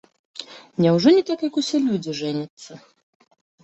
Няўжо не так, як усе людзі жэняцца?